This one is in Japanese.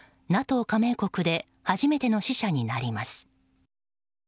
加盟国で初めての死者になります。